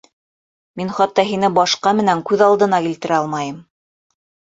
Мин хатта һине башҡа менән күҙ алдына килтерә алмайым.